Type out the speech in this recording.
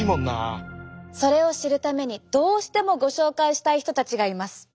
それを知るためにどうしてもご紹介したい人たちがいます。